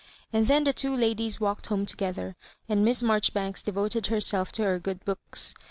And then the two ladies walked home together, and Miss Marjoribanks devoted herself to her good books.